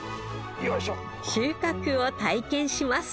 収穫を体験します。